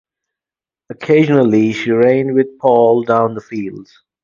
Occasionally she ran with Paul down the fields.